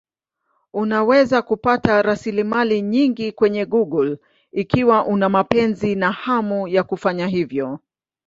Unaweza kupata rasilimali nyingi kwenye Google ikiwa una mapenzi na hamu ya kufanya hivyo.